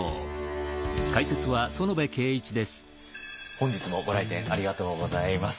本日もご来店ありがとうございます。